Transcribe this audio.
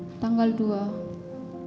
kapan kalian berangkat ke kemagelang